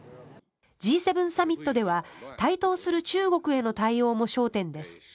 Ｇ７サミットでは台頭する中国への対応も焦点です。